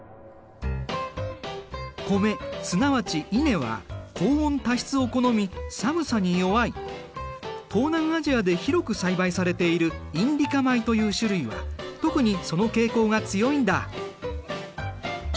米すなわち稲は東南アジアで広く栽培されているインディカ米という種類は特にその傾向が強いんだ。